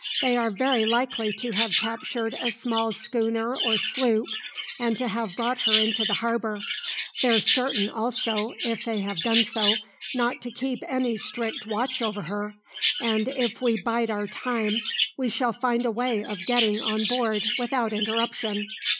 They are very likely to have captured a small schooner or sloop, and to have brought her into the harbour. They're certain also, if they have done so, not to keep any strict watch over her, and if we 'bide our time we shall find a way of getting on board without interruption.